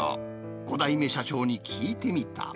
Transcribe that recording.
５代目社長に聞いてみた。